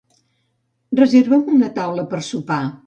Reserva'm una taula per sopar.